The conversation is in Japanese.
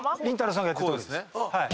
さんがやってるとおりです。